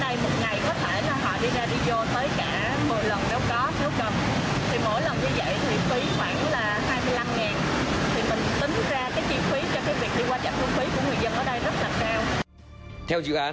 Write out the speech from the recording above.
thì mỗi lần như vậy thì phí khoảng là hai mươi năm ngàn